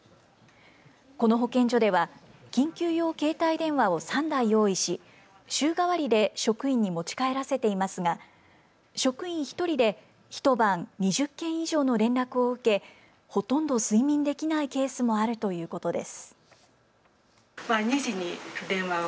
この保健所では緊急用携帯電話を３台用意し週替わりで職員に持ち帰らせていますが職員１人で一晩２０件以上の連絡を受けほとんど睡眠できないケースもあるということです。